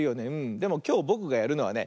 でもきょうぼくがやるのはね